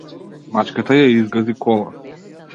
Мачката ја изгази кола.